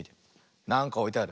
なんかおいてある。